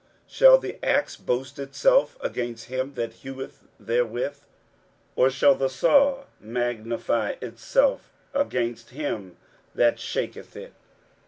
23:010:015 Shall the axe boast itself against him that heweth therewith? or shall the saw magnify itself against him that shaketh it?